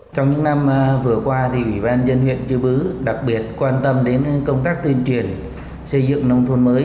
trong những năm vừa qua ủy ban dân huyện chư bứ đặc biệt quan tâm đến công tác tuyên truyền xây dựng nông thôn mới